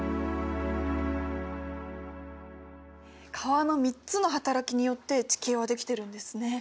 川の３つのはたらきによって地形はできてるんですね。